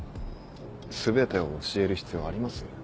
全てを教える必要あります？